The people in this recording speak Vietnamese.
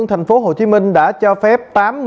tp hcm đã cho phép